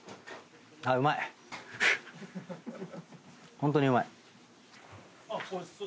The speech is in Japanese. ホントにうまい。